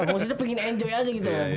maksudnya pengen enjoy aja gitu